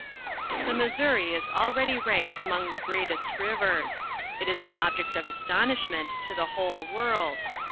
The Missouri is already ranked among the greatest rivers. It is an object of astonishment to the whole world.